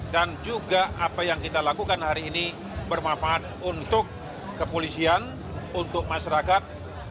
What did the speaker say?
dan juga apa yang kita lakukan hari ini bermanfaat untuk kepolisian untuk masyarakat